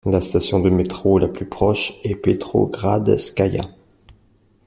La station de métro la plus proche est Petrogradskaya.